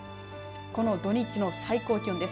この土日の最高気温です。